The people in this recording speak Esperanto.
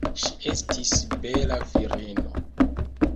Ŝi estis bela virino.